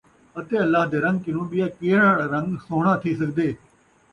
اَتے اللہ دے رنگ کنوں ٻیا کِہڑا رنگ سُوہݨاں تِھی سڳدے،